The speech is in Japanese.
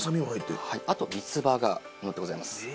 あと三つ葉がのってございます